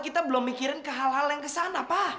kita belum mikirin ke hal hal yang kesana pak